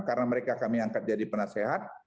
karena mereka kami angkat jadi penasehat